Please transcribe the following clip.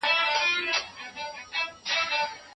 آیا ډاکټر خپل نظر کښته اچوي؟